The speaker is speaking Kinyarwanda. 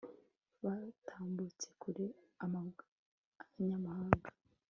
butambutse kure ubw'abanyamahanga